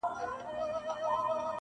د پېړیو پېګويي به یې کوله٫